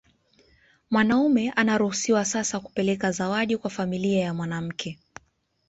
Mwanaume anaruhusiwa sasa kupeleka zawadi kwa familia ya mwanamke